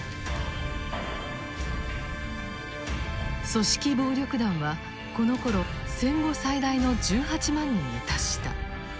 組織暴力団はこのころ戦後最大の１８万人に達した。